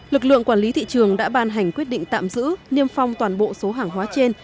lực lượng quản lý thị trường đã ban hành quyết định tạm giữ niêm phong toàn bộ số hàng hóa trên